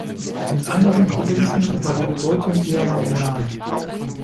In anderen Provinzen war die Bedeutung eher marginal.